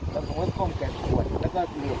แล้วผมเลยก้้มกัดกลับแล้วก็เห็นก็ตอบ